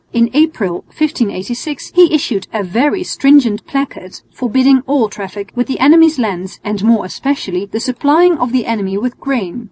In April, 1586, he issued a very stringent placard forbidding all traffic with the enemy's lands and more especially the supplying of the enemy with grain.